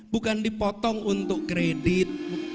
bukan dipotong untuk kredit